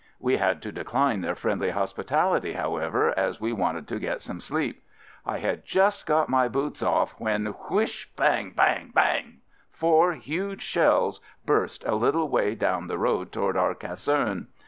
We had to decline their friendly hospitality, however, as we wanted to get some sleep. I had just got my boots off when — whish sh sh — bang ! bang ! bang ! bang !— four huge shells burst a little way down the road toward our caserne.